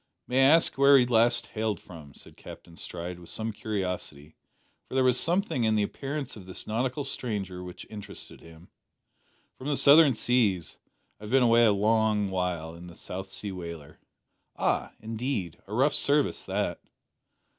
"May I ask where you last hailed from?" said Captain Stride, with some curiosity, for there was something in the appearance of this nautical stranger which interested him. "From the southern seas. I have been away a long while in a South Sea whaler." "Ah, indeed? a rough service that."